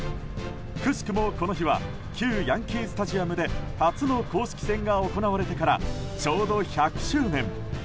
くしくも、この日は旧ヤンキー・スタジアムで初の公式戦が行われてからちょうど１００周年。